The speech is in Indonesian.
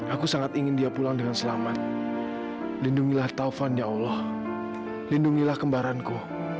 aku sangat ingin dia pulang dengan selamat lindungilah taufan ya allah lindungilah kembaranku